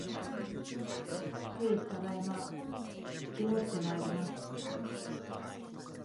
へい、ただいま。じきもってまいります